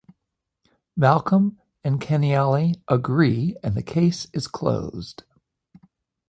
Malcolm and Keneally agree, and the case is closed.